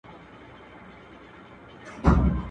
نن په رنګ د آیینه کي سر د میني را معلوم سو.